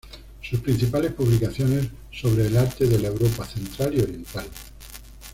Sus principales publicaciones sobre el arte de la Europa central y oriental.